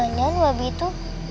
jangan jangan wabi itu